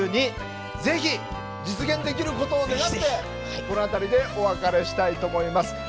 ぜひ実現できることを願ってこの辺りでお別れしたいと思います。